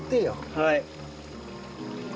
はい。